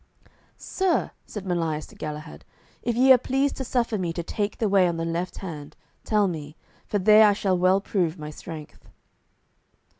"Sir," said Melias to Galahad, "if ye are pleased to suffer me to take the way on the left hand, tell me, for there I shall well prove my strength."